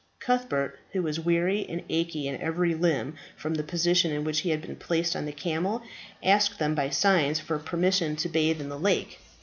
Cuthbert, who was weary and aching in every limb from the position in which he had been placed on the camel, asked them by signs for permission to bathe in the lake.